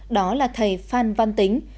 đó là thầy phan văn tính